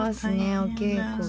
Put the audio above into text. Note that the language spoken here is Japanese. お稽古が。